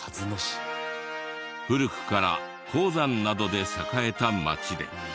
古くから鉱山などで栄えた町で。